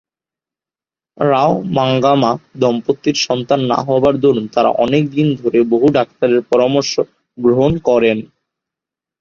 রাও-মাঙ্গাম্মা দম্পতির সন্তান না হবার দরুন তারা অনেকদিন ধরে বহু ডাক্তারের পরামর্শ গ্রহণ করেন।